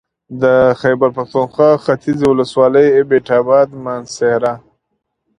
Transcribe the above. د خېبر پښتونخوا ختيځې ولسوالۍ اېبټ اباد مانسهره